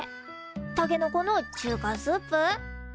たけのこの中華スープ？